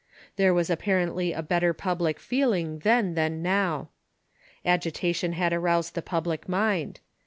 Thex'e was apparently a better pub lic feeling then than now. Agitation had aroused the public mind.